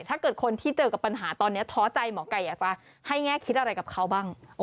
ถ้าเกิดคนที่เจอกับปัญหาตอนนี้ท้อใจหมอไก่อยากจะให้แง่คิดอะไรกับเขาบ้าง